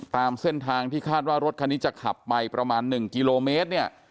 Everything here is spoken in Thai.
ตามเส้นทางที่คาดว่ารถคันนี้จะขับไปประมาณ๑กิโลเมตรเนี่ย